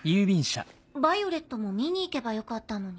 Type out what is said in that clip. ヴァイオレットも見に行けばよかったのに。